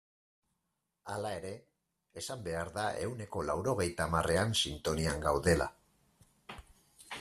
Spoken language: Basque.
Hala ere, esan behar da ehuneko laurogeita hamarrean sintonian gaudela.